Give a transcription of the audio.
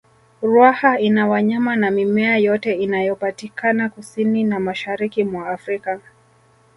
ruaha ina wanyama na mimea yote inayopatikana kusini na mashariki mwa afrika